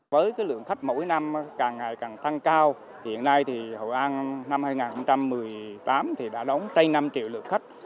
với lượng khách mỗi năm càng ngày càng tăng cao hiện nay hội an năm hai nghìn một mươi tám đã đóng trây năm triệu lượt khách